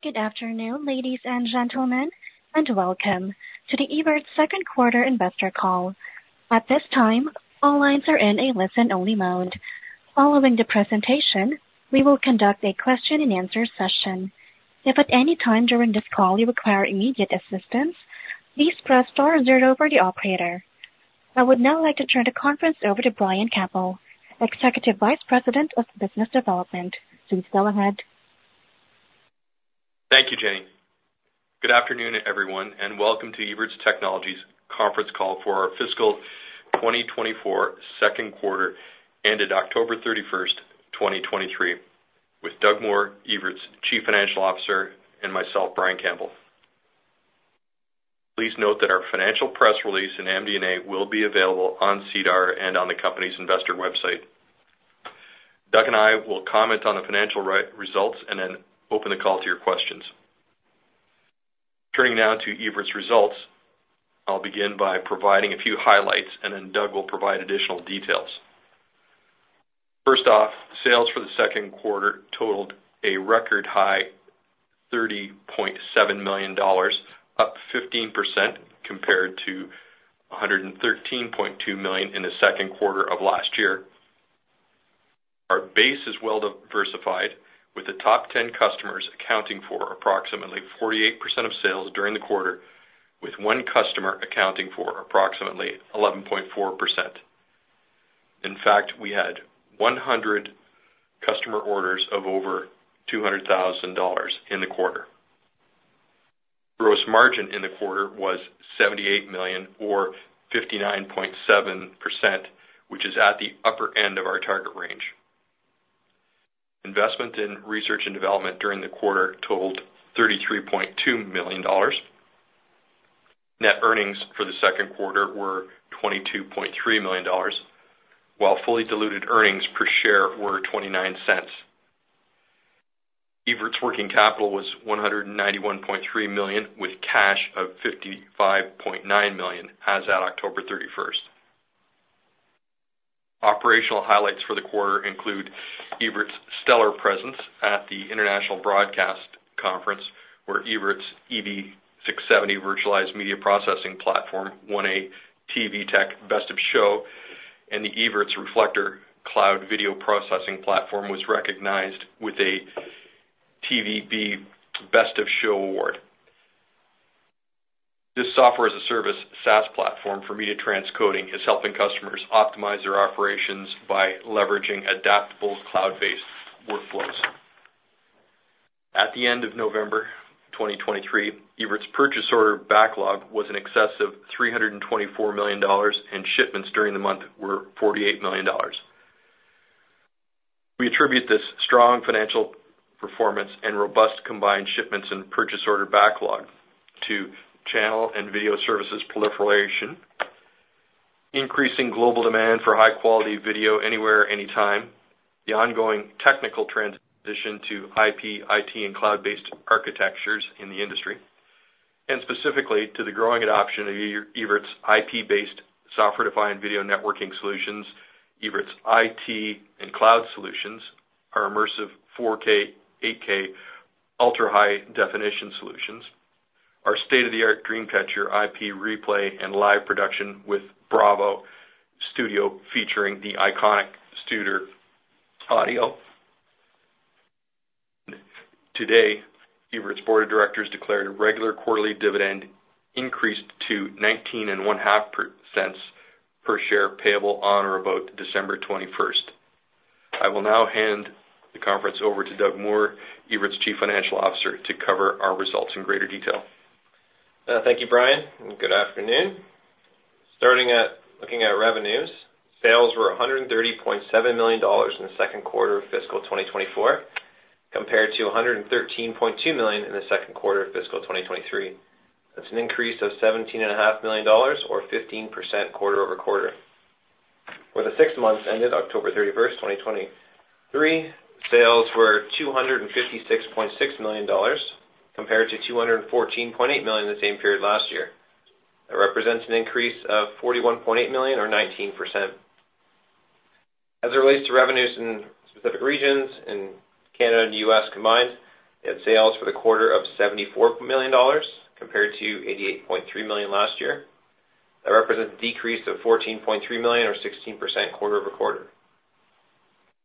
Good afternoon, ladies and gentlemen, and welcome to the Evertz second quarter investor call. At this time, all lines are in a listen-only mode. Following the presentation, we will conduct a question and answer session. If at any time during this call you require immediate assistance, please press star zero for the operator. I would now like to turn the conference over to Brian Campbell, Executive Vice President of Business Development. Please go ahead. Thank you, Jenny. Good afternoon, everyone, and welcome to Evertz Technologies' conference call for our fiscal 2024 second quarter ended October 31st, 2023, with Doug Moore, Evertz Chief Financial Officer, and myself, Brian Campbell. Please note that our financial press release and MD&A will be available on SEDAR and on the company's investor website. Doug and I will comment on the financial results and then open the call to your questions. Turning now to Evertz results, I'll begin by providing a few highlights, and then Doug will provide additional details. First off, sales for the second quarter totaled a record high 130.7 million dollars, up 15% compared to 113.2 million in the second quarter of last year. Our base is well diversified, with the top 10 customers accounting for approximately 48% of sales during the quarter, with one customer accounting for approximately 11.4%. In fact, we had 100 customer orders of over 200,000 dollars in the quarter. Gross margin in the quarter was 78 million, or 59.7%, which is at the upper end of our target range. Investment in research and development during the quarter totaled 33.2 million dollars. Net earnings for the second quarter were 22.3 million dollars, while fully diluted earnings per share were 0.29. Evertz working capital was 191.3 million, with cash of 55.9 million as at October 31st. Operational highlights for the quarter include Evertz's stellar presence at the International Broadcast Conference, where Evertz ev670 Virtualized Media Processing Platform won a TV Tech Best of Show, and the Evertz Reflector Cloud Video Processing Platform was recognized with a TVB Best of Show Award. This software as a service, SaaS platform for media transcoding, is helping customers optimize their operations by leveraging adaptable cloud-based workflows. At the end of November 2023, Evertz purchase order backlog was in excess of 324 million dollars, and shipments during the month were 48 million dollars. We attribute this strong financial performance and robust combined shipments and purchase order backlog to channel and video services proliferation, increasing global demand for high-quality video anywhere, anytime, the ongoing technical transition to IP, IT, and cloud-based architectures in the industry, and specifically to the growing adoption of Evertz IP-based software-defined video networking solutions, Evertz IT and cloud solutions, our immersive 4K, 8K ultra-high definition solutions, our state-of-the-art DreamCatcher, IP replay, and live production with Bravo Studio, featuring the iconic Studer Audio. Today, Evertz Board of Directors declared a regular quarterly dividend increased to 0.195 per share, payable on or about December 21st. I will now hand the conference over to Doug Moore, Evertz Chief Financial Officer, to cover our results in greater detail. Thank you, Brian, and good afternoon. Starting at—looking at revenues, sales were 130.7 million dollars in the second quarter of fiscal 2024, compared to 113.2 million in the second quarter of fiscal 2023. That's an increase of 17.5 million dollars or 15% quarter-over-quarter. For the six months ended October 31st, 2023, sales were 256.6 million dollars, compared to 214.8 million in the same period last year. That represents an increase of 41.8 million or 19%. As it relates to revenues in specific regions, in Canada and the U.S. combined, we had sales for the quarter of 74 million dollars, compared to 88.3 million last year. That represents a decrease of 14.3 million or 16% quarter-over-quarter.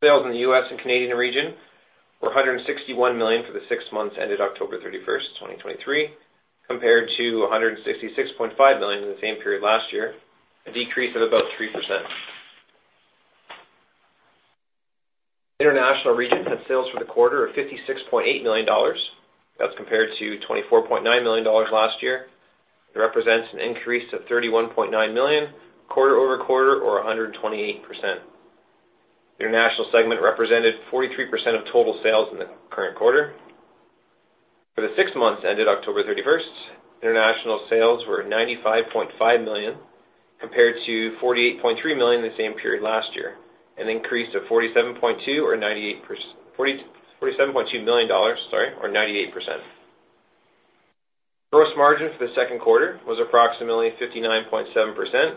Sales in the U.S. and Canadian region were CAD 161 million for the six months ended October 31st, 2023, compared to CAD 166.5 million in the same period last year, a decrease of about 3%. International regions had sales for the quarter of 56.8 million dollars. That's compared to 24.9 million dollars last year. It represents an increase of 31.9 million, quarter-over-quarter or 128%. The international segment represented 43% of total sales in the current quarter. For the six months ended October 31st, international sales were 95.5 million, compared to 48.3 million in the same period last year, an increase of 47.2 million or 98%. 47.2 million dollars, sorry, or 98%. Gross margin for the second quarter was approximately 59.7%,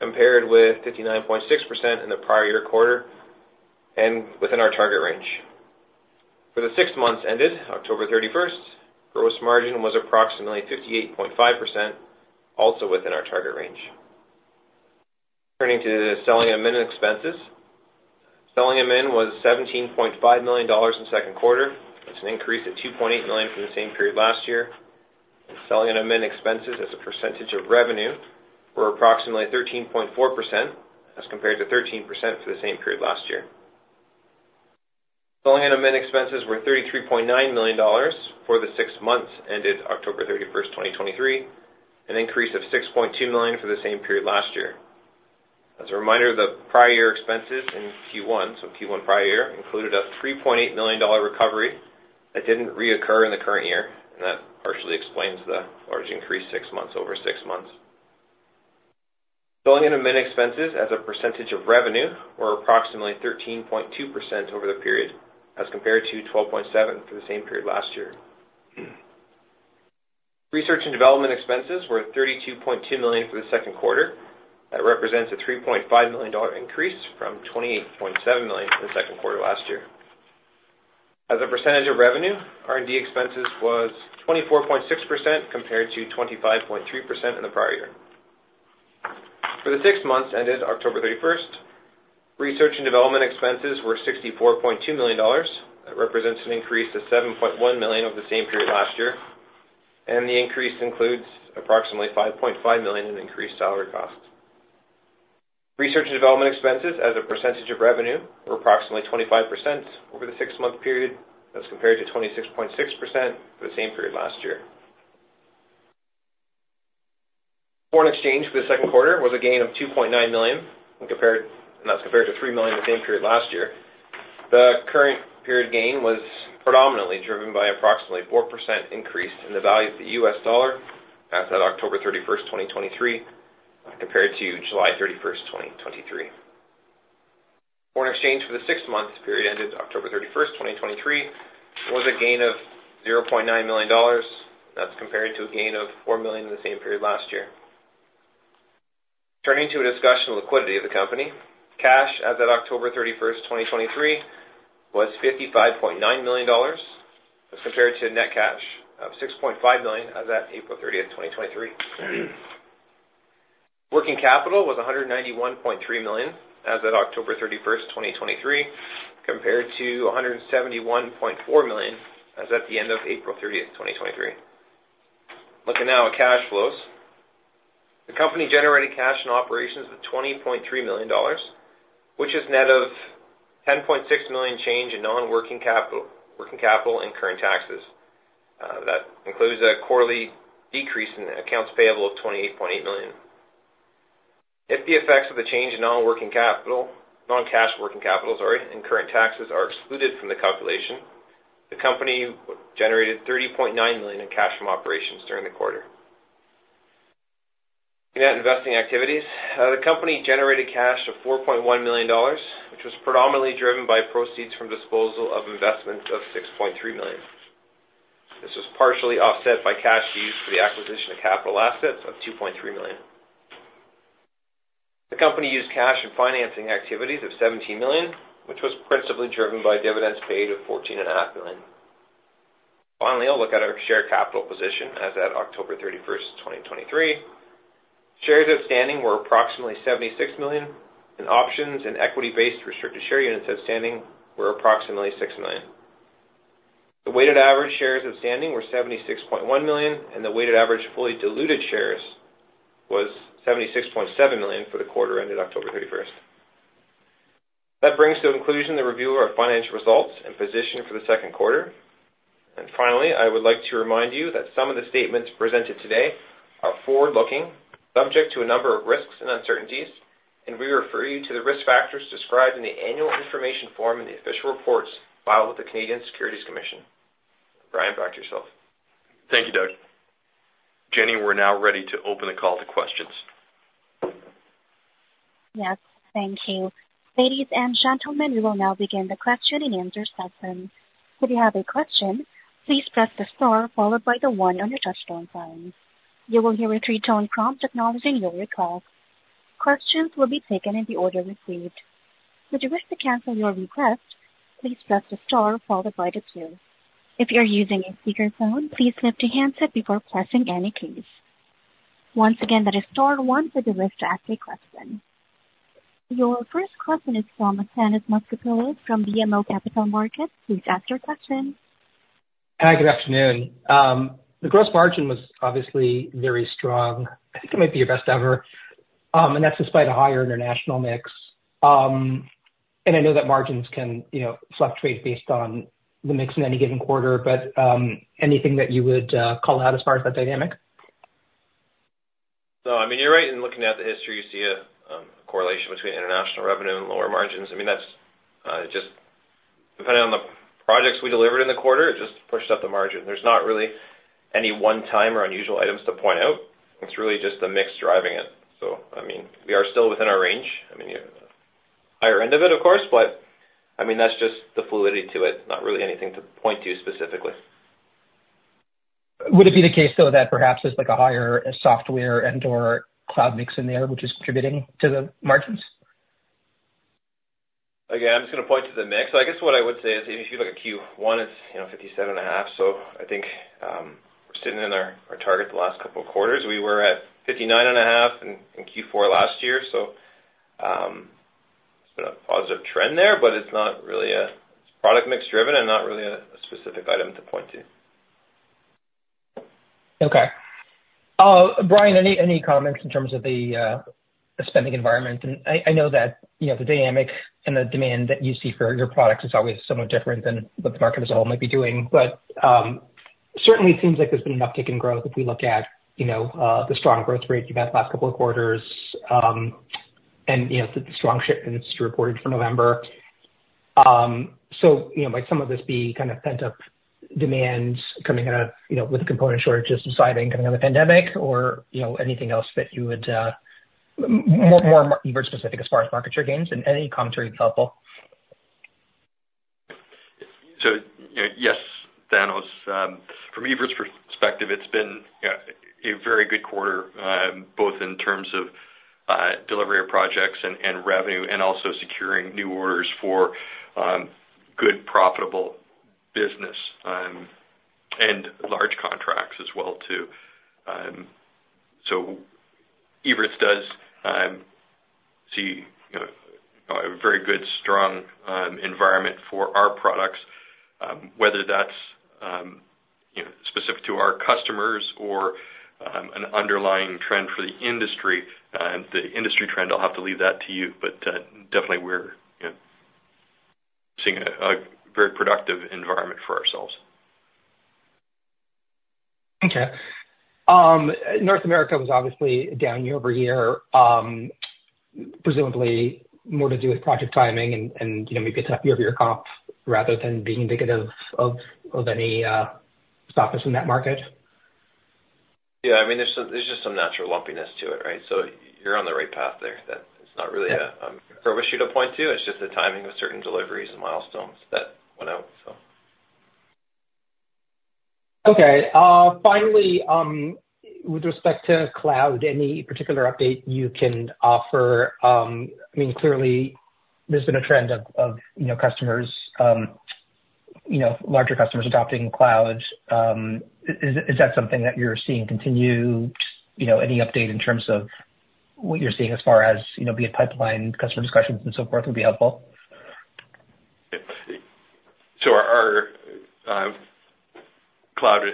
compared with 59.6% in the prior year quarter, and within our target range. For the six months ended October 31st, gross margin was approximately 58.5%, also within our target range. Turning to the selling, general, and administrative expenses. SG&A was 17.5 million dollars in the second quarter. It's an increase of 2.8 million from the same period last year, and SG&A expenses as a percentage of revenue were approximately 13.4%, as compared to 13% for the same period last year. SG&A expenses were 33.9 million dollars for the six months ended October 31st, 2023, an increase of 6.2 million for the same period last year. As a reminder, the prior year expenses in Q1, so Q1 prior year, included a 3.8 million dollar recovery that didn't reoccur in the current year, and that partially explains the large increase over six months. Selling, general and administrative expenses as a percentage of revenue were approximately 13.2% over the period, as compared to 12.7% for the same period last year. Research and development expenses were 32.2 million for the second quarter. That represents a 3.5 million dollar increase from 28.7 million in the second quarter last year. As a percentage of revenue, R&D expenses was 24.6%, compared to 25.3% in the prior year. For the six months ended October 31st, research and development expenses were 64.2 million dollars. That represents an increase of 7.1 million over the same period last year, and the increase includes approximately 5.5 million in increased salary costs. Research and development expenses as a percentage of revenue were approximately 25% over the six-month period, as compared to 26.6% for the same period last year. Foreign exchange for the second quarter was a gain of 2.9 million, and that's compared to 3 million in the same period last year. The current period gain was predominantly driven by approximately 4% increase in the value of the U.S. dollar as of October 31st, 2023, compared to July 31st, 2023. Foreign exchange for the six-month period ended October 31st, 2023, was a gain of 0.9 million dollars. That's compared to a gain of 4 million in the same period last year. Turning to a discussion of liquidity of the company. Cash as of October 31st, 2023, was 55.9 million dollars, as compared to net cash of 6.5 million as at April 30th, 2023. Working capital was 191.3 million as at October 31st, 2023, compared to 171.4 million as at the end of April 30th, 2023. Looking now at cash flows. The company generated cash in operations of 20.3 million dollars, which is net of 10.6 million change in non-working capital, working capital and current taxes. That includes a quarterly decrease in accounts payable of 28.8 million. If the effects of the change in non-working capital, non-cash working capital, sorry, and current taxes are excluded from the calculation, the company generated 30.9 million in cash from operations during the quarter. In net investing activities, the company generated cash of 4.1 million dollars, which was predominantly driven by proceeds from disposal of investments of 6.3 million. This was partially offset by cash fees for the acquisition of capital assets of 2.3 million. The company used cash in financing activities of 17 million, which was principally driven by dividends paid of 14.5 million. Finally, a look at our share capital position as at October 31st, 2023. Shares outstanding were approximately 76 million, and options and equity-based restricted share units outstanding were approximately six million. The weighted average shares outstanding were 76.1 million, and the weighted average fully diluted shares was 76.7 million for the quarter ended October 31st. That brings to a conclusion the review of our financial results and position for the second quarter. Finally, I would like to remind you that some of the statements presented today are forward-looking, subject to a number of risks and uncertainties, and we refer you to the risk factors described in the annual information form in the official reports filed with the Canadian Securities Commission. Brian, back to yourself. Thank you, Doug. Jenny, we're now ready to open the call to questions. Yes, thank you. Ladies and gentlemen, we will now begin the question and answer session. If you have a question, please press the star followed by the one on your touchtone phone. You will hear a three-tone prompt acknowledging your request. Questions will be taken in the order received. If you wish to cancel your request, please press the star followed by the two. If you're using a speakerphone, please lift your handset before pressing any keys. Once again, that is star one if you wish to ask a question. Your first question is from Thanos Moschopoulos from BMO Capital Markets. Please ask your question. Hi, good afternoon. The gross margin was obviously very strong. I think it might be your best ever, and that's despite a higher international mix. And I know that margins can, you know, fluctuate based on the mix in any given quarter, but, anything that you would call out as far as that dynamic? So, I mean, you're right in looking at the history, you see a correlation between international revenue and lower margins. I mean, that's just depending on the projects we delivered in the quarter, it just pushed up the margin. There's not really any one-time or unusual items to point out. It's really just the mix driving it. So, I mean, we are still within our end of it, of course, but I mean, that's just the fluidity to it. Not really anything to point to specifically. Would it be the case, though, that perhaps there's like a higher software and/or cloud mix in there which is contributing to the margins? Again, I'm just gonna point to the mix. So I guess what I would say is, if you look at Q1, it's, you know, 57.5. So I think we're sitting in our target the last couple of quarters. We were at 59.5 in Q4 last year, so it's been a positive trend there, but it's not really a product mix driven and not really a specific item to point to. Okay. Brian, any comments in terms of the spending environment? And I know that, you know, the dynamic and the demand that you see for your products is always somewhat different than what the market as a whole might be doing. But certainly it seems like there's been an uptick in growth if we look at, you know, the strong growth rate you've had the last couple of quarters, and, you know, the strong shipments reported for November. So, you know, might some of this be kind of pent-up demand coming out of, you know, with component shortages subsiding coming out of the pandemic, or, you know, anything else that you would more specific as far as market share gains? Any commentary helpful. So, yes, Thanos, from Evertz's perspective, it's been a very good quarter, both in terms of delivery of projects and revenue, and also securing new orders for good, profitable business and large contracts as well, too. So Evertz does see, you know, a very good, strong environment for our products. Whether that's, you know, specific to our customers or an underlying trend for the industry. The industry trend, I'll have to leave that to you, but definitely we're, you know, seeing a very productive environment for ourselves. Okay. North America was obviously down year over year, presumably more to do with project timing and, you know, maybe a tough year-over-year comp, rather than being indicative of any softness in that market. Yeah, I mean, there's just some natural lumpiness to it, right? So you're on the right path there. That is not really an issue to point to. It's just the timing of certain deliveries and milestones that went out, so. Okay. Finally, with respect to cloud, any particular update you can offer? I mean, clearly there's been a trend of, you know, customers, you know, larger customers adopting cloud. Is that something that you're seeing continue? You know, any update in terms of what you're seeing as far as, you know, be it pipeline, customer discussions and so forth, would be helpful. So our cloud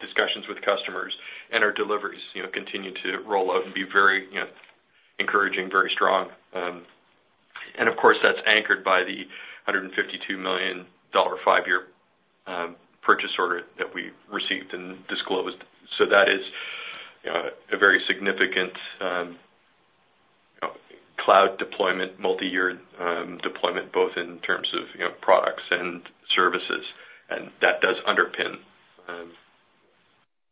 discussions with customers and our deliveries, you know, continue to roll out and be very, you know, encouraging, very strong. And of course, that's anchored by the 152 million dollar five-year purchase order that we received and disclosed. So that is a very significant cloud deployment, multi-year deployment, both in terms of, you know, products and services, and that does underpin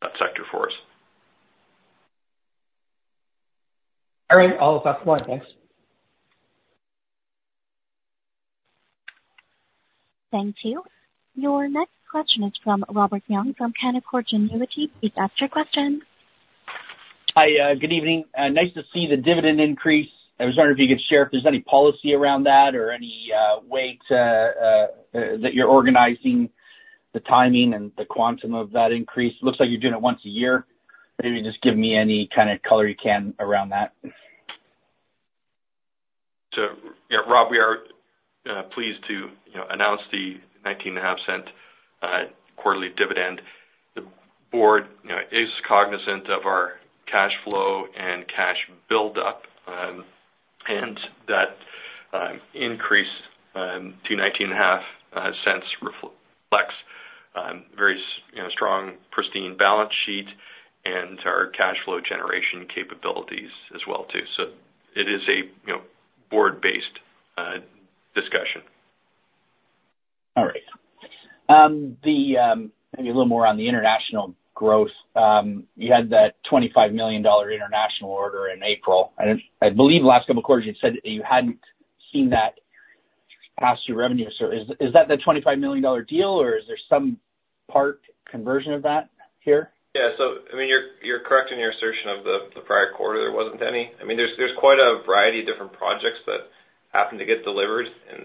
that sector for us. All right. All the best. Thanks. Thank you. Your next question is from Robert Young from Canaccord Genuity. Please ask your question. Hi, good evening. Nice to see the dividend increase. I was wondering if you could share if there's any policy around that or any way to that you're organizing the timing and the quantum of that increase? Looks like you're doing it once a year. Maybe just give me any kind of color you can around that. So, yeah, Rob, we are pleased to, you know, announce the 0.195 quarterly dividend. The board, you know, is cognizant of our cash flow and cash buildup, and that increase to 0.195 reflects very, you know, strong, pristine balance sheet and our cash flow generation capabilities as well, too. So it is a, you know, board-based discussion. All right. Maybe a little more on the international growth. You had that 25 million dollar international order in April. I believe last couple of quarters, you said you hadn't seen that pass through revenue. So is that the 25 million dollar deal, or is there some part conversion of that here? Yeah. So I mean, you're, you're correct in your assertion of the, the prior quarter, there wasn't any. I mean, there's, there's quite a variety of different projects that happened to get delivered in,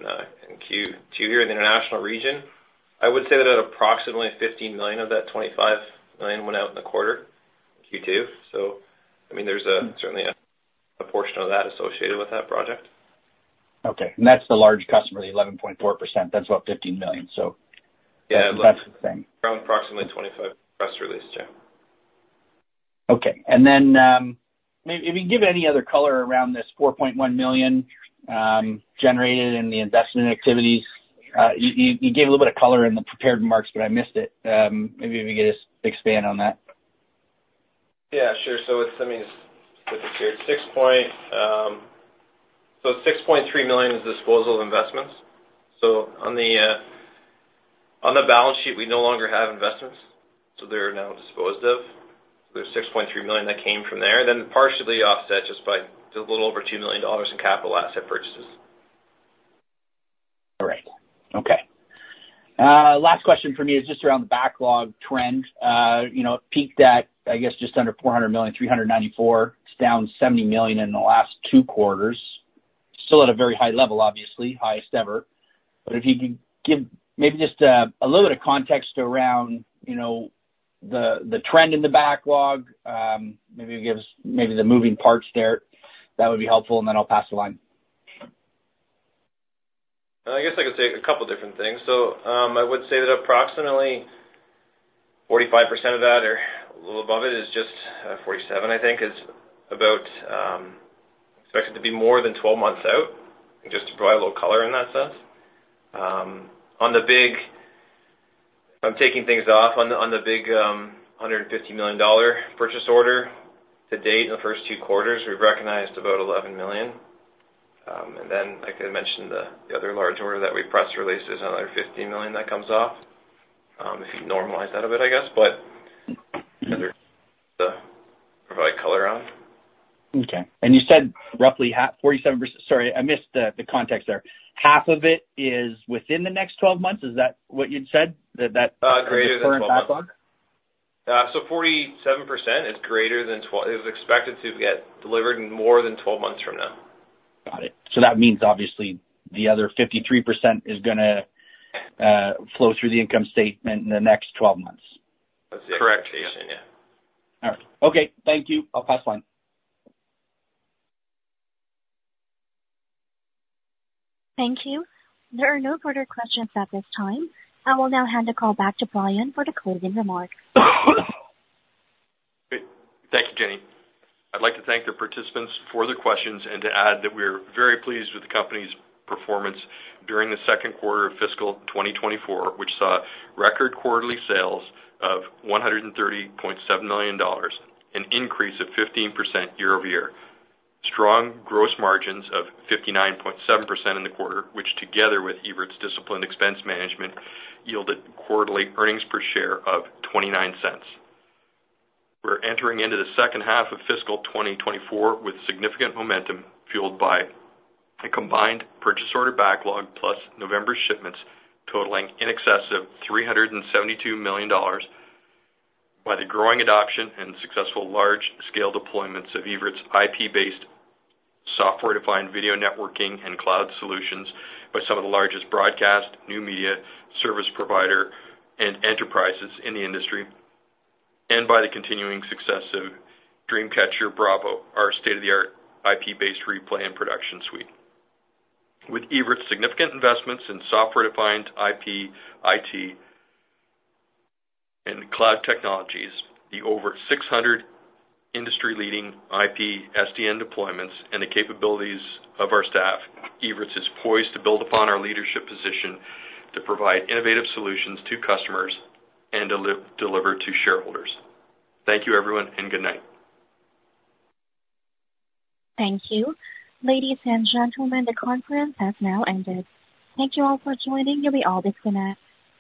in Q2 here in the international region. I would say that approximately 15 million of that 25 million went out in the quarter, Q2. So, I mean, there's, certainly a, a portion of that associated with that project. Okay. And that's the large customer, the 11.4%. That's about 15 million, so. Yeah. That's the thing. Around approximately 25 press release, yeah. Okay. Then, maybe if you can give any other color around this 4.1 million generated in the investment activities. You gave a little bit of color in the prepared remarks, but I missed it. Maybe if you could just expand on that. Yeah, sure. So it's, let me look it here. So 6.3 million is disposal of investments. So on the, on the balance sheet, they're now disposed of. There's 6.3 million that came from there, then partially offset just by a little over 2 million dollars in capital asset purchases. All right. Okay. Last question for me is just around the backlog trend. You know, it peaked at, I guess, just under 400 million, 394 million. It's down 70 million in the last two quarters. Still at a very high level, obviously, highest ever. But if you could give maybe just a little bit of context around, you know, the trend in the backlog, maybe give us maybe the moving parts there, that would be helpful, and then I'll pass the line. I guess I could say a couple different things. So, I would say that approximately 45% of that or a little above it, is just, 47%, I think, is about, expected to be more than 12 months out, just to provide a little color in that sense. On the big, I'm taking things off on the big, 150 million dollar purchase order. To date, in the first two quarters, we've recognized about 11 million. And then I could mention the other large order that we press released is another 15 million that comes off, if you normalize that a bit I guess, but to provide color on. Okay. And you said roughly half, 47%, sorry, I missed the context there. Half of it is within the next 12 months? Is that what you'd said? That, that. Greater than 12 months. Current backlog. 47% is greater than it was expected to get delivered more than 12 months from now. Got it. So that means obviously the other 53% is gonna flow through the income statement in the next 12 months. That's correct. Yeah. All right. Okay. Thank you. I'll pass the line. Thank you. There are no further questions at this time. I will now hand the call back to Brian for the closing remarks. Thank you, Jenny. I'd like to thank the participants for the questions and to add that we are very pleased with the company's performance during the second quarter of fiscal 2024, which saw record quarterly sales of 130.7 million dollars, an increase of 15% year-over-year. Strong gross margins of 59.7% in the quarter, which together with Evertz's disciplined expense management, yielded quarterly earnings per share of 0.29. We're entering into the second half of fiscal 2024 with significant momentum, fueled by a combined purchase order backlog, plus November shipments totaling in excess of 372 million dollars, by the growing adoption and successful large-scale deployments of Evertz's IP-based software-defined video networking and cloud solutions by some of the largest broadcast, new media, service provider, and enterprises in the industry, and by the continuing success of DreamCatcher BRAVO, our state-of-the-art IP-based replay and production suite. With Evertz's significant investments in software-defined IP, IT, and cloud technologies, the over 600 industry-leading IP SDN deployments and the capabilities of our staff, Evertz's is poised to build upon our leadership position to provide innovative solutions to customers and deliver to shareholders. Thank you, everyone, and good night. Thank you. Ladies and gentlemen, the conference has now ended. Thank you all for joining. You may all disconnect.